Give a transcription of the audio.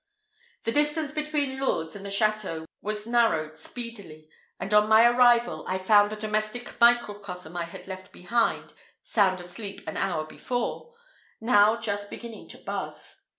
The distance between Lourdes and the château was narrowed speedily; and on my arrival, I found the domestic microcosm I had left behind sound asleep an hour before, now just beginning to buzz.